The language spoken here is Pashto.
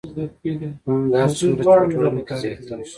پانګه هر څومره چې په ټولنه کې زیاتېږي